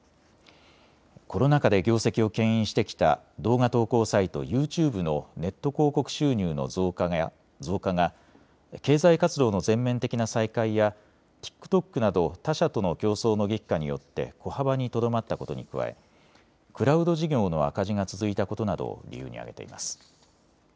コロナ禍で業績をけん引してきた動画投稿サイト、ユーチューブのネット広告収入の増加が経済活動の全面的な再開やティックトックなど他社との競争の激化によって小幅にとどまったことに加えクラウド事業の赤字が続いたことなどを理由に挙げています。